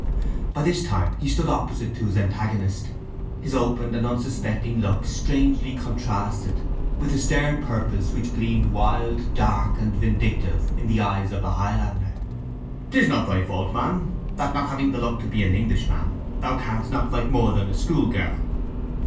By this time he stood opposite to his antagonist; his open and unsuspecting look strangely contrasted with the stern purpose which gleamed wild, dark, and vindictive in the eyes of the Highlander. "'Tis not thy fault, man, that, not having the luck to be an Englishman, thou canst not fight more than a school girl."